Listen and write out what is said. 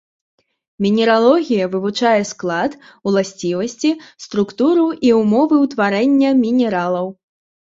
Мінералогія вывучае склад, уласцівасці, структуру і ўмовы ўтварэння мінералаў.